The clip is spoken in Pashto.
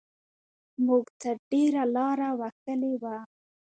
موږ تر ډېره لاره وهلې وه.